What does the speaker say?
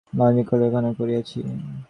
মহেন্দ্র কহিল, কেন, কী করিয়াছি।